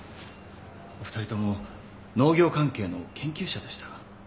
お二人とも農業関係の研究者でした。